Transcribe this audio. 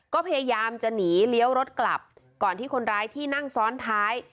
ก็พยายามจะหนีเลี้ยวรถกลับก่อนที่คนร้ายที่นั่งซ้อนท้าย